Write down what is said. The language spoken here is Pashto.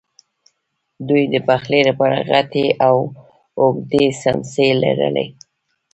دوی د پخلی لپاره غټې او اوږدې څیمڅۍ لرلې.